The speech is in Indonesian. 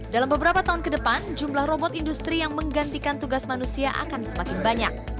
dalam beberapa tahun ke depan jumlah robot industri yang menggantikan tugas manusia akan semakin banyak